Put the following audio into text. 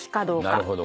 なるほど。